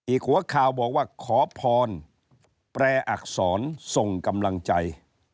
หัวข่าวบอกว่าขอพรแปรอักษรส่งกำลังใจ